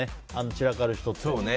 散らかる人って。